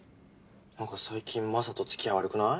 何か最近雅人付き合い悪くない？